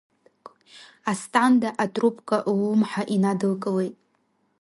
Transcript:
Асҭанда атрубка ллымҳа инадылкылеит.